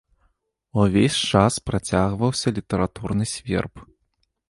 Увесь час працягваўся літаратурны сверб.